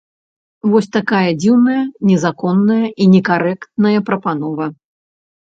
Вось такая дзіўная, незаконная і некарэктная прапанова.